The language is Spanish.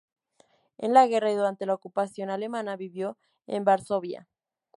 En la guerra y durante la ocupación alemana vivió en Varsovia.